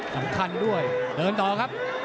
สำคัญด้วยเดินต่อครับ